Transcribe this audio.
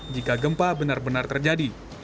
jika gempa benar benar terjadi